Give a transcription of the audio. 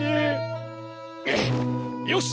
よし！